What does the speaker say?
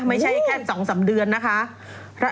ไม่ใช่แค่๒๓เดือนนะคะ